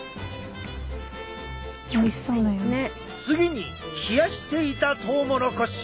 次に冷やしていたトウモロコシ。